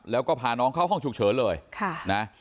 แล้วก็พาน้องเข้าห้องฉุกเฉินเลยนะ